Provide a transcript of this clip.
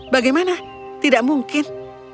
bagaimana tidak mungkin